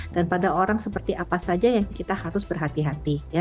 dan pada orang seperti apa saja yang kita harus berhati hati